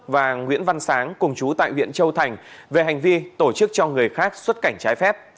và nguyễn văn sáng cùng chú tại huyện châu thành về hành vi tổ chức cho người khác xuất cảnh trái phép